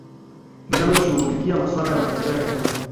linalo shughulikia maswala ya maendeleo yaani